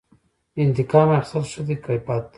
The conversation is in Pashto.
انتقام اخیستل ښه دي که بد؟